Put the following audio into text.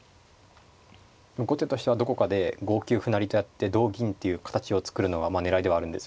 後手としてはどこかで５九歩成とやって同銀っていう形を作るのが狙いではあるんです。